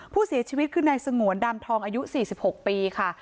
ผู้เสียชีวิตคือนายสงวนดำทองอายุ๔๖ปีค่ะ